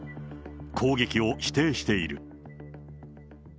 攻撃を否定している。